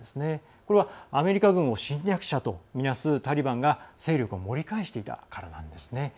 これは、アメリカ軍を侵略者とみなすタリバンが勢力を盛り返していたからなんですね。